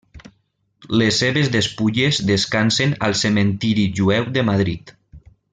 Les seves despulles descansen al cementiri jueu de Madrid.